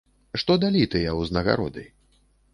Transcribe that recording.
Што далі тыя ўзнагароды?